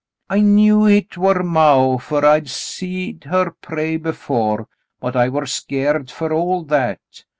"I knew hit war maw, fer I'd seed her pray before, but I war skeered fer all that.